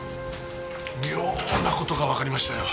妙な事がわかりましたよ。